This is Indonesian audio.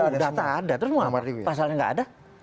iya tahu data ada terus mau apa pasalnya enggak ada